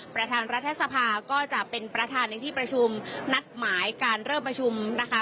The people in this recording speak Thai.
ประธานรัฐสภาก็จะเป็นประธานในที่ประชุมนัดหมายการเริ่มประชุมนะคะ